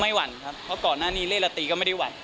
ไม่หวั่นครับเพราะก่อนหน้านี้เรนย์ละตีก็ไม่ได้ไหว